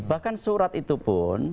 bahkan surat itu pun